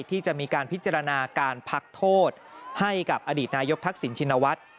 ที่จะมีการพิจารณาการพักโทษให้กับอดีตนายกทักษิณชินวัฒน์